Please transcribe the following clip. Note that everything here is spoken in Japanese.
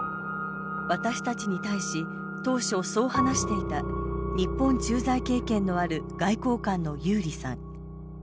私たちに対し当初そう話していた日本駐在経験のある外交官のユーリさん。